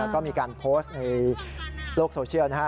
ก็มีการโพสต์ในโลกโซเชียลนะฮะ